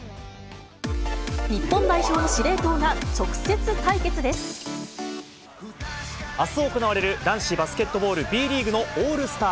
日本代表の司令塔が直接対決あす行われる、男子バスケットボールＢリーグのオールスター。